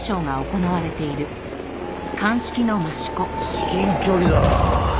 至近距離だな。